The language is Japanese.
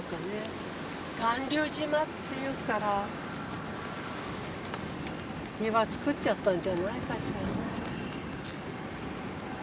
巌流島っていうから岩作っちゃったんじゃないかしら。